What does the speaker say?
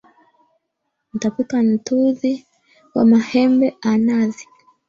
Nitapika ntudhi wa mahembe a nadhi